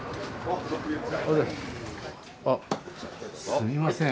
すいません。